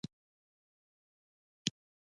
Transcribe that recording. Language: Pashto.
د ظالم ژبه د مظلوم پر خوله راځي.